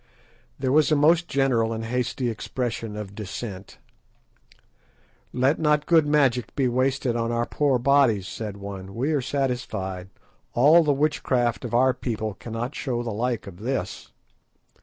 There was a most general and hasty expression of dissent. "Let not good magic be wasted on our poor bodies," said one; "we are satisfied. All the witchcraft of our people cannot show the like of this."